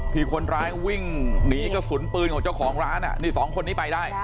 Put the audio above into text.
ที่คนร้ายวิ่งหนีกระสุนปืนของเจ้าของร้านนี่สองคนนี้ไปได้